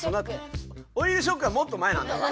オイルショックはもっと前なんだわ。